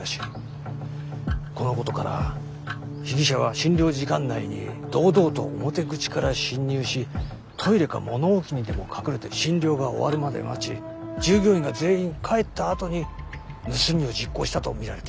このことから被疑者は診療時間内に堂々と表口から侵入しトイレか物置にでも隠れて診療が終わるまで待ち従業員が全員帰ったあとに盗みを実行したと見られている。